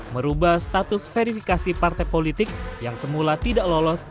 merubah status verifikasi partai politik yang semula tidak lolos